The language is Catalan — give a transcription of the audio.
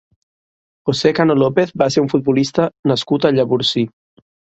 José Cano López va ser un futbolista nascut a Llavorsí.